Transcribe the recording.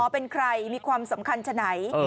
เป็นใครมีความสำคัญฉะไหน